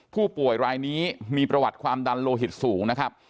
ผู้ป่วยรายนี้มีประวัติความดันโลหิตสูงนะครับ